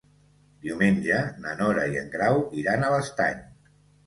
Diumenge na Nora i en Grau iran a l'Estany.